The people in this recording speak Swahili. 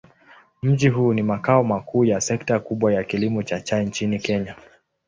Mji huu ni makao makuu ya sekta kubwa ya kilimo cha chai nchini Kenya.